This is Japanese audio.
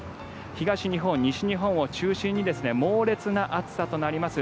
東日本、西日本を中心に猛烈な暑さとなります。